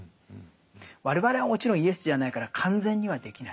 我々はもちろんイエスじゃないから完全にはできない。